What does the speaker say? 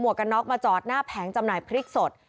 กันน็อกมาจอดหน้าแผงจำหน่ายพริกสด